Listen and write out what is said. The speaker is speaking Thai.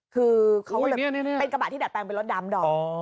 คือเขาก็เลยเป็นกระบะที่ดัดแปลงเป็นรถดำดอก